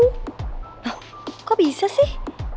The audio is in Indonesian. hah kok bisa sih